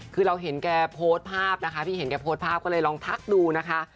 คือเราเห็นแกโพสต์ภาพนะคะพี่เห็นแกโพสต์ภาพก็เลยลองทักดูนะคะ